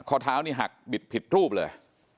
ข้อเท้านี่หักบิดผิดรูปเลย